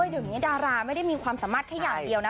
เดี๋ยวนี้ดาราไม่ได้มีความสามารถแค่อย่างเดียวนะ